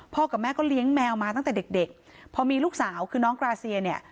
กับแม่ก็เลี้ยงแมวมาตั้งแต่เด็กเด็กพอมีลูกสาวคือน้องกราเซียเนี่ย